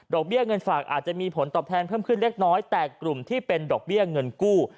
เบี้ยเงินฝากอาจจะมีผลตอบแทนเพิ่มขึ้นเล็กน้อยแต่กลุ่มที่เป็นดอกเบี้ยเงินกู้